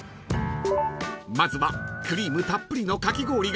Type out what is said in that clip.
［まずはクリームたっぷりのかき氷がおすすめ］